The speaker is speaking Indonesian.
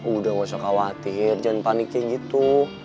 udah gak usah khawatir jangan paniknya gitu